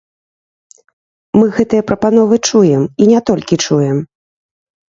Мы гэтыя прапановы чуем, і не толькі чуем.